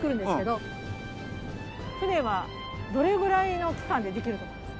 船はどれぐらいの期間でできると思いますか？